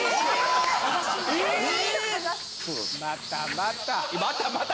またまた。